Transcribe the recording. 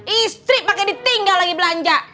istri pakai ditinggal lagi belanja